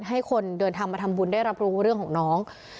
ให้คนเดินทางมาทำบุญได้รับรู้เรื่องของน้อง